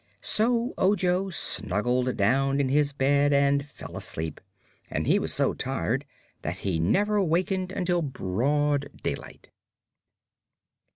So Ojo snuggled down in his bed and fell asleep, and he was so tired that he never wakened until broad daylight.